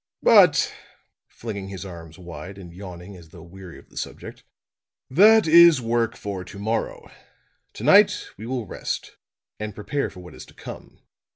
But," flinging his arms wide and yawning as though weary of the subject, "that is work for to morrow. To night we will rest and prepare for what is to come.